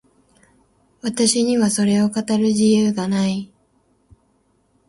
私にはそれを語る自由がない。